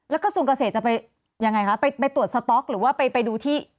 แล้วกระทรวงเกษตรจะไปยังไงคะไปตรวจสต๊อกหรือว่าไปดูที่